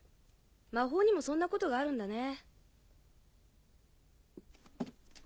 魔法にもそんなことがあるんだね。